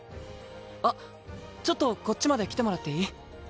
あっちょっとこっちまで来てもらっていい？